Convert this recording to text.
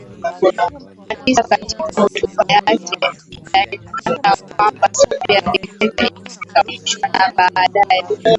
na tisa Katika hotuba yake alitangaza kwamba Siku ya dikteta imefikia mwisho na baadaye